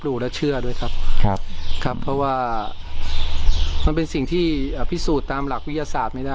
เพราะว่านั้นเป็นสิ่งที่พิสูจน์ตามหลักวิทยาศาสตร์ไม่ได้